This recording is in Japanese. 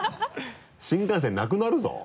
新幹線なくなるぞ。